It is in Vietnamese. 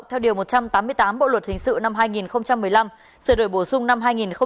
theo điều một trăm tám mươi tám bộ luật hình sự năm hai nghìn một mươi năm sửa đổi bổ sung năm hai nghìn một mươi bảy